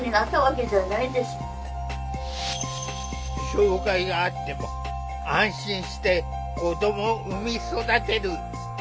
障害があっても安心して子どもを産み育てる。